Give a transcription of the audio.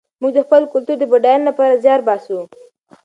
موږ د خپل کلتور د بډاینې لپاره زیار باسو.